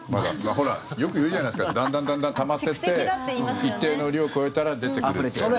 ほらよく言うじゃないですかだんだんだんだんたまってって一定の量超えたら出てくるって。